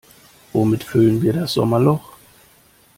Womit füllen wir das Sommerloch?